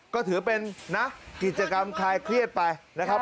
ก็ถือเป็นนะกิจกรรมคลายเครียดไปนะครับ